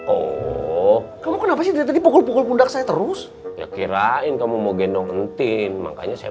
oh kamu kenapa sih tadi pukul pukul saya terus ngekirain kamu mau gendong entin makanya saya